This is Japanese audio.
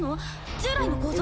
従来の構造？